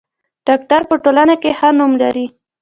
ډاکټر په ټولنه کې ښه نوم لري.